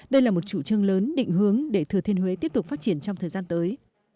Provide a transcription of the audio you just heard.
đây là một chủ trương lớn định hướng để thừa thiên huế tiếp tục phát triển trong thời gian tới